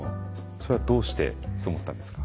それはどうしてそう思ったんですか？